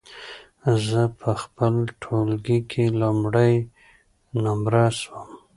زه په خپل ټولګي کې لومړی نمره سوم.